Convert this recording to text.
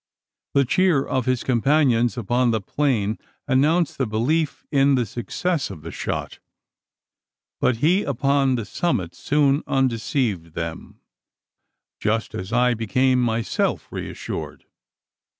The cheer of his companions upon the plain announced the belief in the success of the shot; but he upon the summit soon undeceived them just as I became myself reassured.